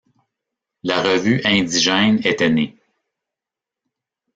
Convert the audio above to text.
La Revue Indigène était née.